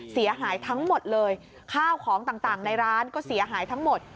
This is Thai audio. เสียหายทั้งหมดเลยข้าวของต่างในร้านก็เสียหายทั้งหมด